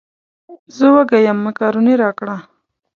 زه وږی یم مېکاروني راکړه.